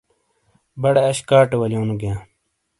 بڑے اش کاٹے ولیونو گیاں۔